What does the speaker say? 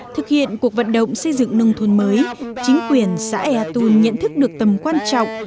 thực hiện cuộc vận động xây dựng nông thôn mới chính quyền xã ea tôn nhận thức được tầm quan trọng